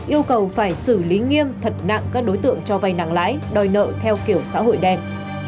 yêu cầu phải xử lý nghiêm thật nặng các đối tượng cho vay nặng lãi đòi nợ theo kiểu xã hội đen